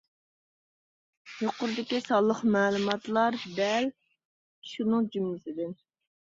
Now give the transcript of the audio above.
يۇقىرىدىكى سانلىق مەلۇماتلار دەل شۇنىڭ جۈملىسىدىن.